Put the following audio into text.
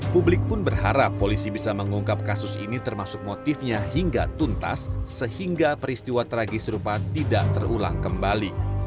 publik pun berharap polisi bisa mengungkap kasus ini termasuk motifnya hingga tuntas sehingga peristiwa tragis rupa tidak terulang kembali